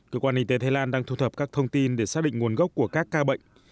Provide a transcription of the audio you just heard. cơ quan y tế thái lan đang thu thập các thông tin để xác định nguồn gốc của các ca bệnh